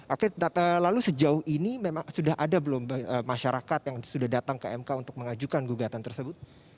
oke lalu sejauh ini memang sudah ada belum masyarakat yang sudah datang ke mk untuk mengajukan gugatan tersebut